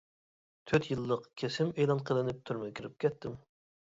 تۆت يىللىق كېسىم ئېلان قىلىنىپ تۈرمىگە كىرىپ كەتتىم.